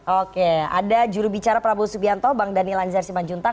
oke ada juru bicara prabowo subianto bang daniel anjar siman juntak